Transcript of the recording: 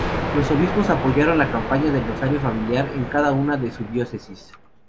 Los obispos apoyaron la campaña del rosario familiar en cada una de su diócesis.